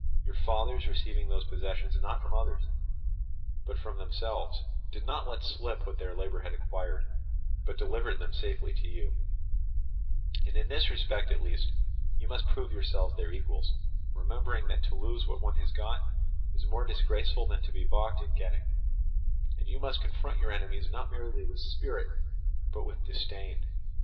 Your fathers receiving these possessions not from others, but from themselves, did not let slip what their labour had acquired, but delivered them safe to you; and in this respect at least you must prove yourselves their equals, remembering that to lose what one has got is more disgraceful than to be balked in getting, and you must confront your enemies not merely with spirit but with disdain.